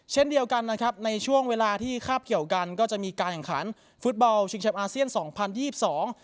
เช่นเดียวกันนะครับในช่วงเวลาที่คาบเกี่ยวกันก็จะมีการแห่งขันฟุตบอลชิงเชียปอาเซียน๒๐๒๒